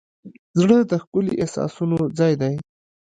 زړه د ښکلي احساسونو ځای دی.